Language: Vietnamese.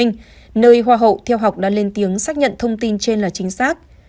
nơi hoa hậu theo học đã lên tiếng xác nhận thông tin trên là chính xác